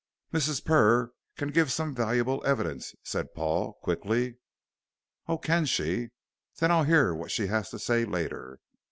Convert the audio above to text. "Mrs. Purr can give some valuable evidence," said Paul, quickly. "Oh, can she? Then I'll hear what she has to say later.